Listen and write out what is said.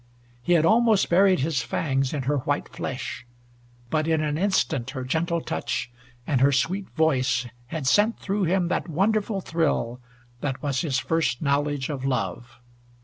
He had almost buried his fangs in her white flesh, but in an instant her gentle touch, and her sweet voice, had sent through him that wonderful thrill that was his first knowledge of love.